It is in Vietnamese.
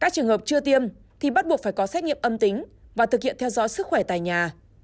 các trường hợp chưa tiêm thì bắt buộc phải có xét nghiệm âm tính và thực hiện theo dõi sức khỏe tại nhà